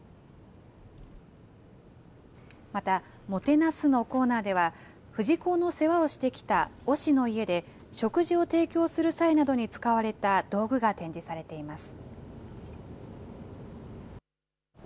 また、もてなすのコーナーでは、富士講の世話をしてきた御師の家で食事を提供する際などに使われた道具が展示されています。